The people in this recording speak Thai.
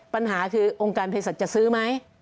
ปัญหาคือองค์การเพศสัตว์จะซื้อไหม